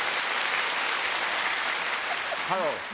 ハロー。